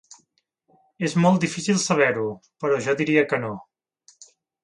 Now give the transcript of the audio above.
És molt difícil saber-ho, però jo diria que no.